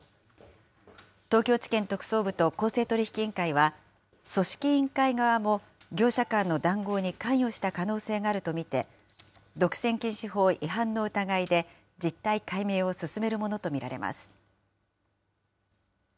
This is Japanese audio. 東京地検特捜部と公正取引委員会は、組織委員会側も業者間の談合に関与した可能性があると見て、独占禁止法違反の疑いで実態解明を進めるものと見られます。